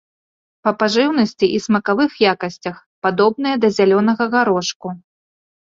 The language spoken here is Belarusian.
Па пажыўнасці і смакавых якасцях падобныя да зялёнага гарошку.